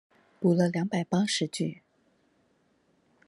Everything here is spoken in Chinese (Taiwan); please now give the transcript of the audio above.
補了兩百八十句